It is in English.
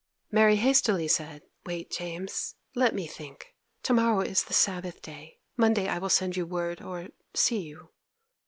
Mary hastily said, 'Wait, James, let me think. To morrow is the Sabbath day. Monday I will send you word or see you.